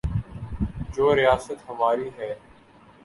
جو ریاست ہماری ہے۔